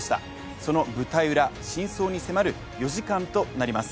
その舞台裏、真相に迫る４時間となります。